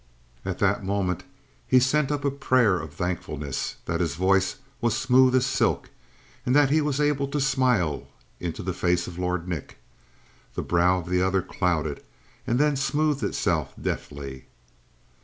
And that moment he sent up a prayer of thankfulness that his voice was smooth as silk, and that he was able to smile into the face of Lord Nick. The brow of the other clouded and then smoothed itself deftly.